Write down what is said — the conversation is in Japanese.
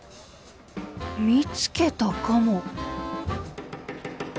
見つけたかも。